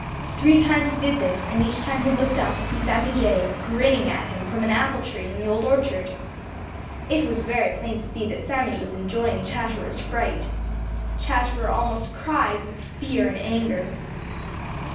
Three times he did this, and each time he looked up to see Sammy Jay grinning at him from an apple tree in the Old Orchard. It was very plain to see that Sammy was enjoying Chatterer's fright. Chatterer almost cried with fear and anger.